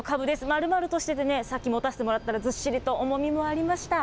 丸々としててね、さっき持たせてもらったら、ずっしりと重みもありました。